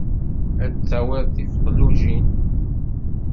Ad d-tawiḍ tifeqlujin.